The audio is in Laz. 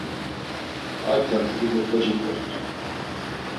Ar tane didi xoci kort̆u.